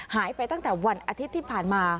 หายไปตั้งแต่วันอาทิตย์ที่ผ่านมา